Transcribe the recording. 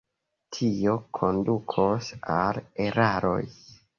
Tio kondukos al eraroj.